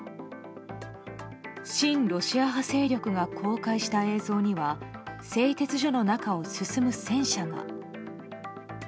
親ロシア派勢力が公開した映像には製鉄所の中を進む戦車が。